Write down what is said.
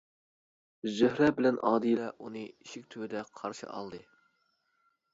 زۆھرە بىلەن ئادىلە ئۇنى ئىشىك تۈۋىدە قارشى ئالدى.